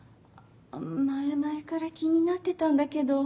前々から気になってたんだけど。